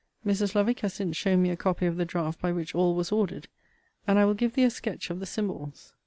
Mrs. Lovick has since shown me a copy of the draught by which all was ordered; and I will give thee a sketch of the symbols.